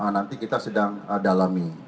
nanti kita sedang dalami